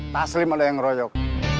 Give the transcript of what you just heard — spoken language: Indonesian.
paslim ada yang ngeroyok